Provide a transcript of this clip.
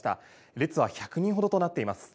列は１００人ほどとなっています。